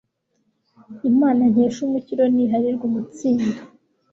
imana nkesha umukiro niharirwe umutsindo